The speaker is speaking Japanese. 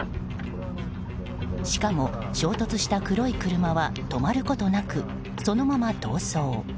しかも、衝突した黒い車は止まることなくそのまま逃走。